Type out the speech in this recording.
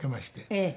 ええ。